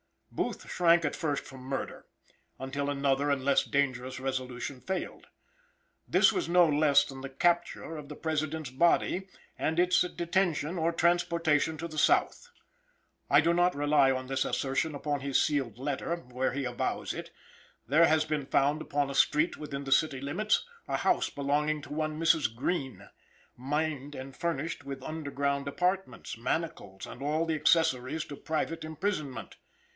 Booth shrank at first from murder, until another and less dangerous resolution failed. This was no less than the capture of the President's body, and its detention or transportation to the South. I do not rely on this assertion upon his sealed letter, where he avows it; there has been found upon a street within the city limits, a house belonging to one Mrs. Greene; mined and furnished with underground apartments, manacles and all the accessories to private imprisonment.